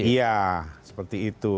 iya seperti itu